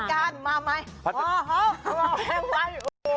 พันธการมาไหมพันธการมาไหม